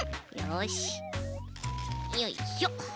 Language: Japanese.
よいしょ。